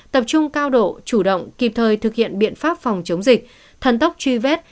tập trung cao độ chủ động kịp thời thực hiện biện pháp phòng chống dịch thần tốc truy vết